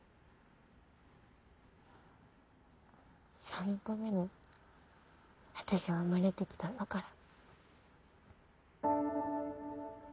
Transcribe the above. そのために私は生まれてきたんだから。